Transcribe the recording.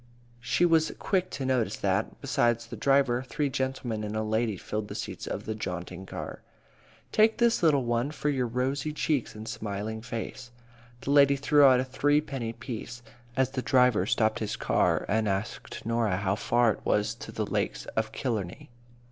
She was quick to notice that, besides the driver, three gentlemen and a lady filled the seats of the jaunting car. "Take this, little one, for your rosy cheeks and smiling face." The lady threw out a three penny piece, as the driver stopped his car and asked Norah how far it was to the lakes of Killarney.